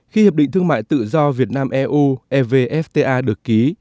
khi hiệp định thương mại tự do việt nam eu evfta được ký